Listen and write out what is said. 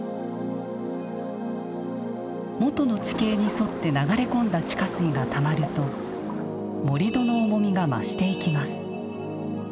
元の地形に沿って流れ込んだ地下水がたまると盛土の重みが増していきます。